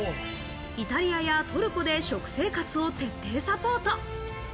イタリアやトルコで食生活を徹底サポート。